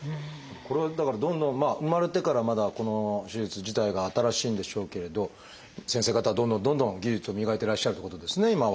これはだからどんどん生まれてからまだこの手術自体が新しいんでしょうけれど先生方はどんどんどんどん技術を磨いてらっしゃるってことですね今は。